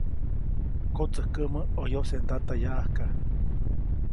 Kotsäjkäʼmä ʼo yojse ndata yaʼajka.